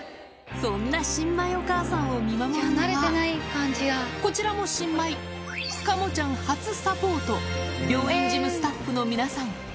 そんな新米お母さんを見守るのは、こちらも新米、カモちゃん初サポート、病院事務スタッフの皆さん。